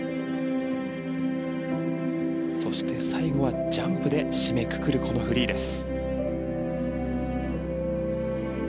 そして最後はジャンプで締めくくるこのフリーです。